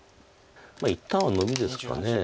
一旦はノビですか。